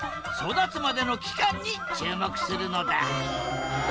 育つまでの期間に注目するのだ！